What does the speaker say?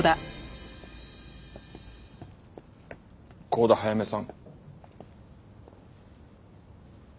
幸田早芽さん。